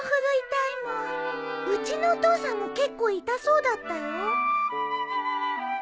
うちのお父さんも結構痛そうだったよ。